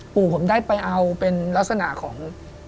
ปู่ผมได้ไปเอาเป็นลักษณะของ